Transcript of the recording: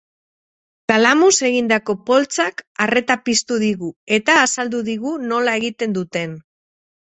Kalamuz egindako poltsak arreta piztu digu eta azaldu digu nola egiten duten.